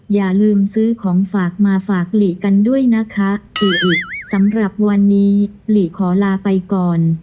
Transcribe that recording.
อย่าลืมซื้อของฝากมาฝากหลีกันด้วยนะคะอิอิสำหรับวันนี้หลีขอลาไปก่อน